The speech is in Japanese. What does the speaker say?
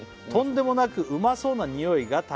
「とんでもなくうまそうなにおいが」